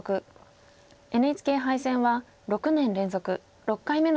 ＮＨＫ杯戦は６年連続６回目の出場です。